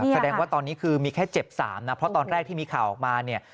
แสดงว่าตอนนี้คือมีแค่เจ็บ๓นะเพราะตอนแรกที่มีข่าวออกมาเนี่ย